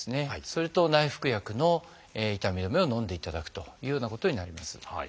それと内服薬の痛み止めをのんでいただくというようなことになります。